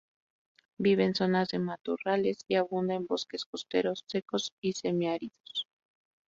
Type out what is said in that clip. Vive en zonas de matorrales, y abunda en bosques costeros, secos y semiáridos.